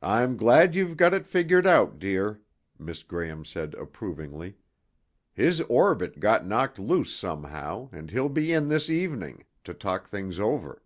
"I'm glad you've got it figured out, dear." Miss Graham said approvingly. "His orbit got knocked loose somehow, and he'll be in this evening, to talk things over."